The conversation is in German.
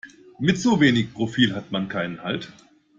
Mit so wenig Profil hat man keinen Halt.